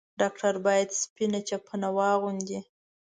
ډاکټر بايد سپينه چپنه واغوندي.